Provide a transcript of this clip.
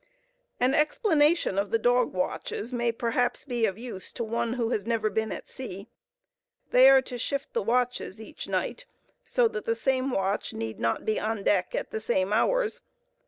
An explanation of the "dog watches" may, perhaps, be of use to one who has never been at sea. They are to shift the watches each night, so that the same watch need not be on deck at the same hours.